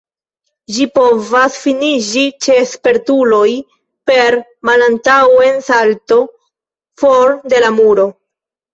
Ĝi povas finiĝi ĉe spertuloj per malantaŭen-salto for de la muro.